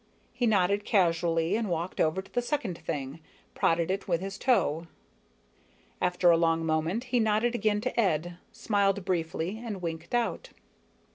He nodded casually and walked over to the second thing, prodded it with his toe. After a long moment he nodded again to Ed, smiled briefly, and winked out.